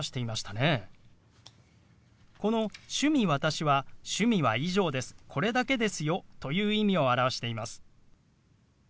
この「趣味私」は「趣味は以上ですこれだけですよ」という意味を表しています。